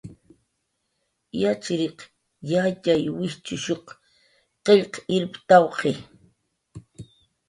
"Yatxchiriq yatxay wijchushuq qillq irptawq""i"